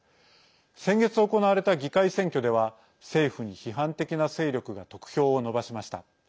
先月行われた議会選挙では政府に批判的な勢力が得票を伸ばしました。